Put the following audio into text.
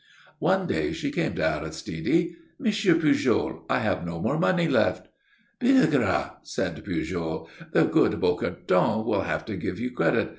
One day she came to Aristide. "M. Pujol, I have no more money left." "Bigre!" said Pujol. "The good Bocardon will have to give you credit.